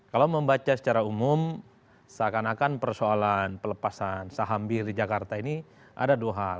kalau membaca secara umum seakan akan persoalan pelepasan saham bir di jakarta ini ada dua hal